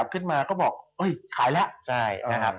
ขึ้นมาก็บอกเฮ้ยขายแล้ว